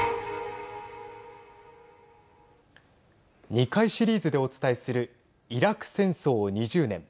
２回シリーズでお伝えするイラク戦争２０年。